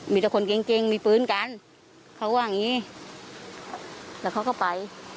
มีแต่คนเกงมีปืนกันเขาว่าอย่างนี้แล้วเขาก็ไป